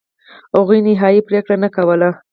هغوی نهایي پرېکړې نه کولې.